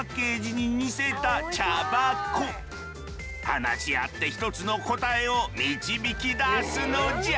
話し合って一つの答えを導き出すのじゃ！